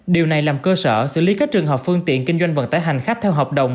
điều này làm cơ sở xử lý các trường hợp phương tiện kinh doanh vận tải hành khách theo hợp đồng